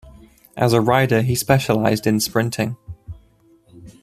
As a rider he specialised in sprinting.